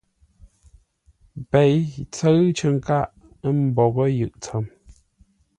Pei tsə̂ʉ cər nkâʼ ə́ mboghʼə́ yʉʼ tsəm.